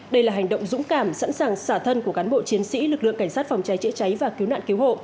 đây là hành động dũng cảm sẵn sàng xả thân của cán bộ chiến sĩ lực lượng cảnh sát phòng cháy chữa cháy và cứu nạn cứu hộ